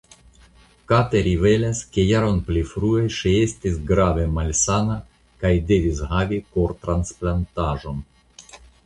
Kate rivelas ke jaron pli frue ŝi estis grave malsana kaj devis havi kortransplantaĵon.